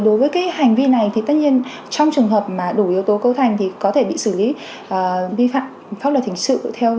đối với cái hành vi này thì tất nhiên trong trường hợp mà đủ yếu tố cấu thành thì có thể bị xử lý vi phạm pháp luật hình sự